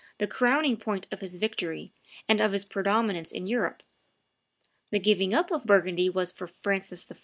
the crowning point of his victory and of his predominance in Europe; the giving up of Burgundy was for Francis I.